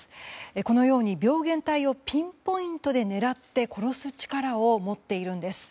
このように病原体をピンポイントで狙って殺す力を持っています。